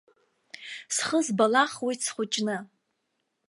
Схы збалахуеит схәыҷны.